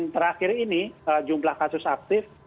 terakhir ini jumlah kasus aktif